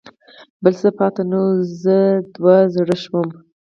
بل څه پاتې نه و، زه دوه زړی شوم.